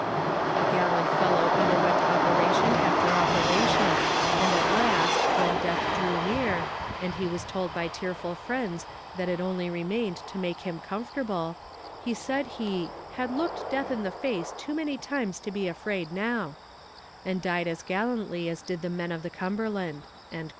"The gallant fellow underwent operation after operation, and at last, when death drew near, and he was told by tearful friends that it only remained to make him comfortable, he said he 'had looked death in the face too many times to be afraid now,' and died as gallantly as did the men of the Cumberland."